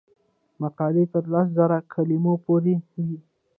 مقالې تر لس زره کلمو پورې وي.